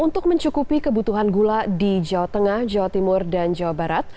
untuk mencukupi kebutuhan gula di jawa tengah jawa timur dan jawa barat